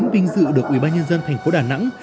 vinh dự được ubnd tp đà nẵng